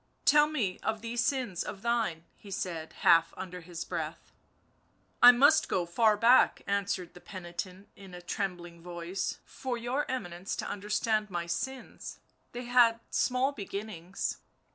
" Tell me of these sins of thine/' he said, half under his breath. " I must go far back," answered the penitent in a trembling voice, " for your Eminence to understand my sins— they had small beginnings."